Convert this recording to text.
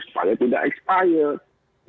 supaya tidak expired